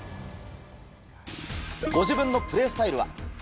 ご自分のプレースタイルは？